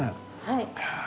はい。